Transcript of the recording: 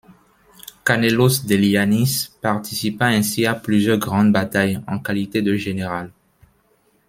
Kanellos Deliyannis participa ainsi à plusieurs grandes batailles en qualité de général.